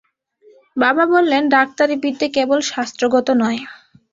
বাবা বললেন, ডাক্তারি বিদ্যে কেবল শাস্ত্রগত নয়।